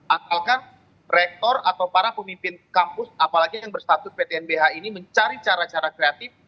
asalkan rektor atau para pemimpin kampus apalagi yang berstatus ptnbh ini mencari cara cara kreatif